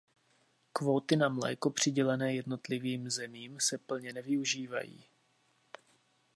Kvóty na mléko přidělené jednotlivým zemím se plně nevyužívají.